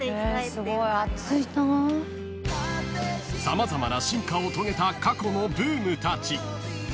［様々な進化を遂げた過去のブームたち］